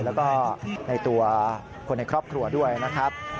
แล้วก็ในตัวคนในครอบครัวด้วยนะครับ